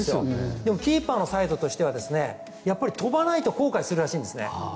でも、キーパーのサイドとしては飛ばないと後悔するらしいんですね。